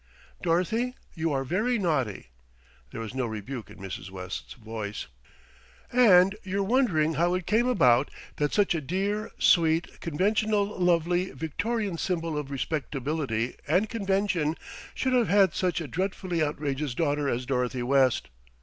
"Dorothy, you are very naughty." There was no rebuke in Mrs. West's voice. "And you're wondering how it came about that such a dear, sweet, conventional, lovely, Victorian symbol of respectability and convention should have had such a dreadfully outrageous daughter as Dorothy West.